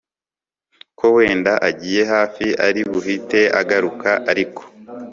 ko wenda agiye hafi ari buhite agaruka ariko